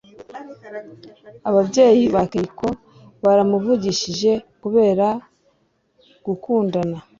Ababyeyi ba Keiko baramuvugishije kubera gukundana.